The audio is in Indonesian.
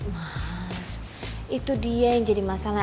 wah itu dia yang jadi masalah